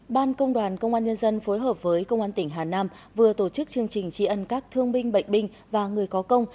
ban công đoàn công an nhân dân phối hợp với công an tỉnh hà nam vừa tổ chức chương trình tri ân các thương binh bệnh binh và người có công